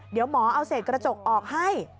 เดี๋ยวหมอเอาเศษกระจกออกให้